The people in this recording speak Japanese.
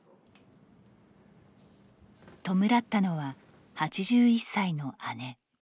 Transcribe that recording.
弔ったのは８１歳の姉。